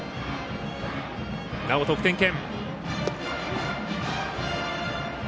なお得点圏。